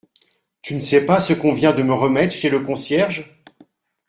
Tu ne sais pas ce qu’on vient de me remettre chez le concierge ?